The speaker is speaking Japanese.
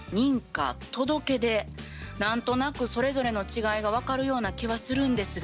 何となくそれぞれの違いが分かるような気はするんですが。